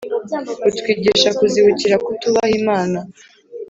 butwigisha kuzibukira kutubaha Imana